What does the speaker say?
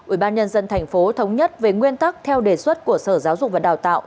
ubnd tp hà nội thống nhất với nguyên tắc theo đề xuất của sở giáo dục và đào tạo